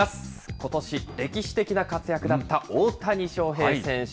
ことし、歴史的な活躍だった大谷翔平選手。